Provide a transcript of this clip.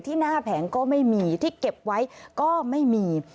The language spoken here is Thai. หน้าแผงก็ไม่มีที่เก็บไว้ก็ไม่มี